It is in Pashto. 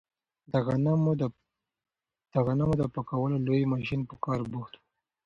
د غنمو د پاکولو لوی ماشین په کار بوخت و.